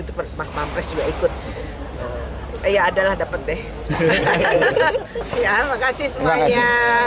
itu pas pampres juga ikut ya adalah dapat deh ya makasih semuanya